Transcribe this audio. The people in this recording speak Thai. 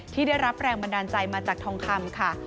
ที่ได้รับแรงบันดาลใจมาจากทองคำค่ะ